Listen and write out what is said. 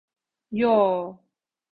Yoo.